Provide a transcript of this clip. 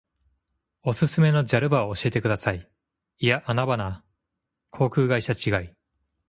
おすすめのジャル場を教えてください。いやアナ場な。航空会社違い。